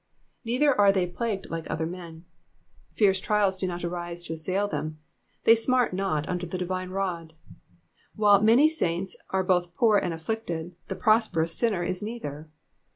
"Neither are they plagued like othei' men.'''' Fierce trials do not arise to assail them: they smart not under the divine rod. While many saints are both poor and afflicted, the prosperous sinner is neither.